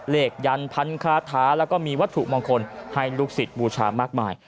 ยันพันคาถาแล้วก็มีวัตถุมงคลให้ลูกศิษย์บูชามากมาย